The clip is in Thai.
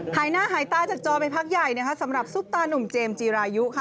หายหน้าหายตาจากจอไปพักใหญ่นะคะสำหรับซุปตานุ่มเจมส์จีรายุค่ะ